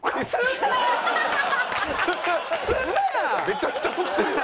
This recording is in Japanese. めちゃくちゃ吸ってるよ。